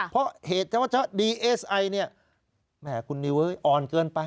เพราะเหตุเฉพาะดีเอสไอแหม่คุณนิวเอออ่อนเกินไป